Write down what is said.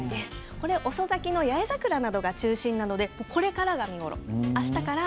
これは遅咲きの八重桜などが中心なのでこれからが見頃。